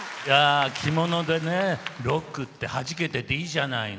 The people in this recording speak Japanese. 着物でロックってはじけてていいじゃないの。